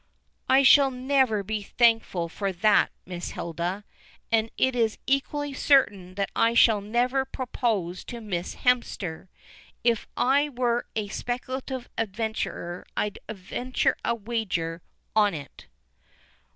"I shall never be thankful for that, Miss Hilda, and it is equally certain that I shall never propose to Miss Hemster. If I were a speculative adventurer I'd venture to wager on it."